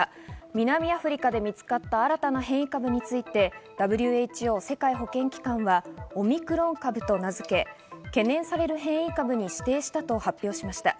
南アフリカで見つかった新たな変異株についてＷＨＯ＝世界保健機関はオミクロン株と名付け、懸念される変異株に指定したと発表しました。